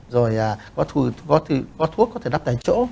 rồi có thuốc có thể đắp tại chỗ